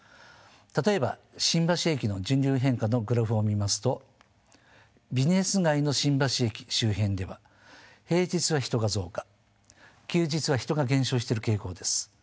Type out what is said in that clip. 例えば新橋駅の人流の変化のグラフを見ますとビジネス街の新橋駅周辺では平日は人が増加休日は人が減少してる傾向です。